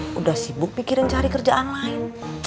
sudah sibuk pikirin cari kerjaan lain